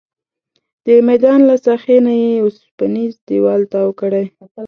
د میدان له ساحې نه یې اوسپنیز دیوال تاو کړی.